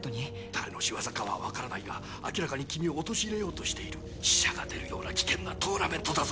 誰の仕業かは分からないが明らかに君を陥れようとしている死者が出るような危険なトーナメントだぞ！